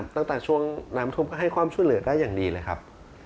ตั้งแต่ช่วงน้ำทุ่มก็ให้ความช่วยเหลือได้อย่างดีเลยครับ